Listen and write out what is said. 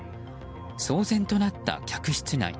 騒然となった客室内。